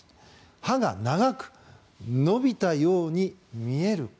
歯が長く伸びたように見えるか。